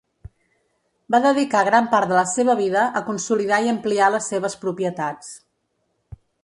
Va dedicar gran part de la seva vida a consolidar i ampliar les seves propietats.